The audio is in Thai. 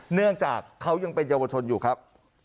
เนื่องจากเขายังเป็นเยาวชนอยู่ครับ